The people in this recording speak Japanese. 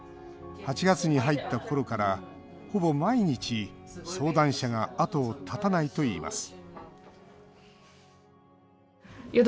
８月に入った頃からほぼ毎日、相談者が後を絶たないといいます